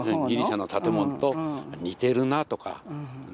ギリシャの建物と似てるなとか。